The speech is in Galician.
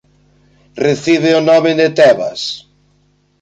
Recibe o nome de Tebas.